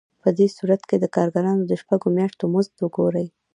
په دې صورت کې د کارګرانو د شپږو میاشتو مزد وګورئ